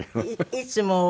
「いつも」。